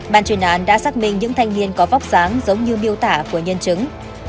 bàn truyền án đã xác minh những thanh niên có vóc dáng giống như miêu tả của nhân chứng